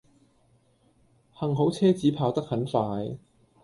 幸好車子跑得很快